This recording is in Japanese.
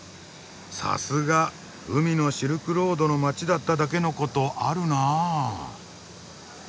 さすが海のシルクロードの街だっただけのことあるなあ。